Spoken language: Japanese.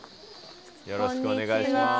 よろしくお願いします。